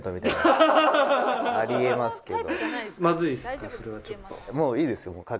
あり得ますけど。